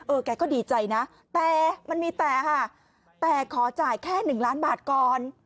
แกก็ดีใจนะแต่มันมีแต่ค่ะแต่ขอจ่ายแค่๑ล้านบาทก่อน